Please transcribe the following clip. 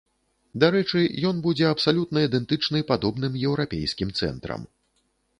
Дарэчы, ён будзе абсалютна ідэнтычны падобным еўрапейскім цэнтрам.